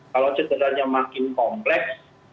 kalau cederanya makin kompleks